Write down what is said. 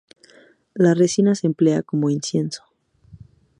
La resina se emplea como incienso.